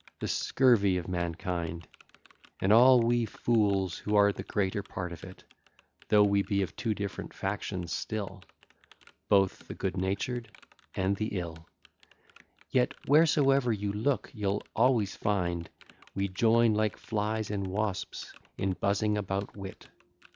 the scurvy of mankind. And all we fools, who are the greater part of it, Though we be of two different factions still, Both the good natured and the ill, Yet wheresoe'er you look, you'll always find We join, like flies and wasps, in buzzing about wit.